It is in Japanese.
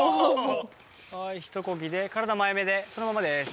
ひとこぎで体前めでそのままです。